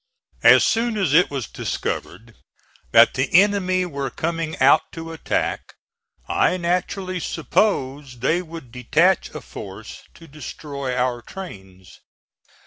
As soon as it was discovered that the enemy were coming out to attack, I naturally supposed they would detach a force to destroy our trains.